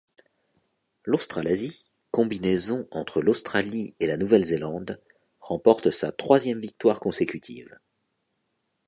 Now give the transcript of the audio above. L'Australasie, combinaison entre l'Australie et la Nouvelle-Zélande, remporte sa troisième victoire consécutive.